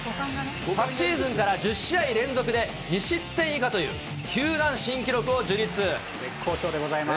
昨シーズンから１０試合連続で２失点以下という、球団新記録を樹絶好調でございます。